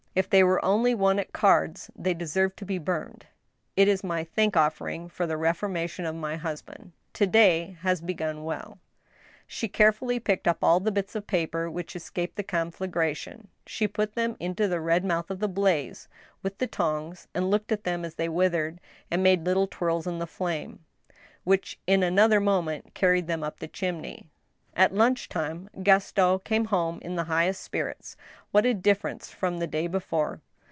" If they were only won at cards, they deserve to be burned. It is my thank offer ing for the reformation of my husband. To day has begun well." She carefully picked up all the bits of paper which escaped the conflagration, she put them into the red mouth of the blaze with the tongs, and looked at them as they withered and made little twirls in the flame, which, in another moment, carried them up the chimney. At luncheon time Gaston came home in the highest spirits. What a difference from the day before